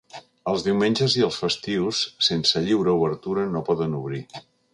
Els diumenges i els festius sense lliure obertura no poden obrir.